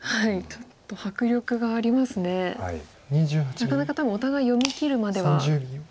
なかなか多分お互い読みきるまでは。